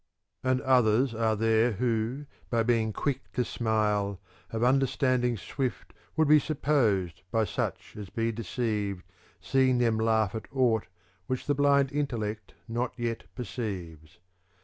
in And others are there who, by being quick to smile, of understanding swift would be sup posed by such as be deceived seeing them laugh at aught which the blind intellect not yet perceives.